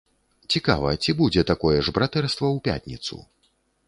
Цікава, ці будзе такое ж братэрства ў пятніцу?